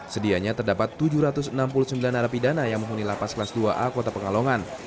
sedianya terdapat tujuh ratus enam puluh sembilan narapidana yang menghuni lapas kelas dua a kota pekalongan